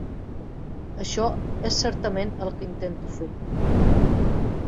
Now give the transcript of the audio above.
Això és certament el que intento fer.